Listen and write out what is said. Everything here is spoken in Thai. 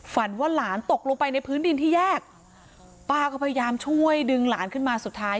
ฝันว่าหลานตกลงไปในพื้นดินที่แยกป้าก็พยายามช่วยดึงหลานขึ้นมาสุดท้าย